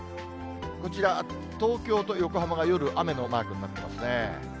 こちら、東京と横浜が夜雨のマークになってますね。